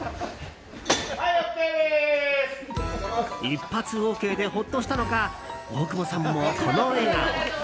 一発ＯＫでほっとしたのか大久保さんも、この笑顔！